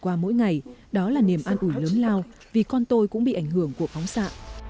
cậu bé vượt qua mỗi ngày đó là niềm an ủi lớn lao vì con tôi cũng bị ảnh hưởng của phóng xạ